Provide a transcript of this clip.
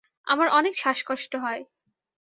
আমার অনেক শ্বাসকষ্ট হয়।